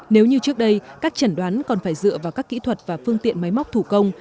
nếu như trước đây các chẩn đoán còn phải dựa vào các kỹ thuật và phương tiện máy móc thủ công